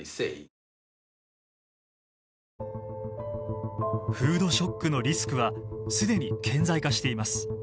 フードショックのリスクは既に顕在化しています。